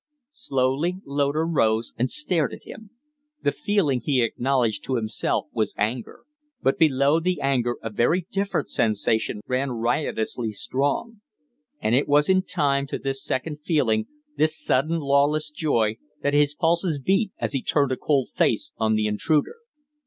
Slowly Loder rose and stared at him. The feeling he acknowledged to himself was anger; but below the anger a very different sensation ran riotously strong. And it was in time to this second feeling, this sudden, lawless joy, that his pulses beat as he turned a cold face on the intruder.